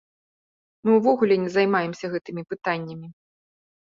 Мы увогуле на займаемся гэтымі пытаннямі.